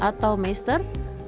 bidang otomotif dan bidang teknologi